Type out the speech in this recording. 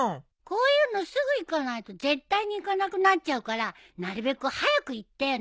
こういうのすぐ行かないと絶対に行かなくなっちゃうからなるべく早く行ってよね！